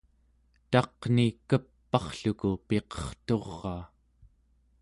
taq'ni kep'arrluku piqerturaa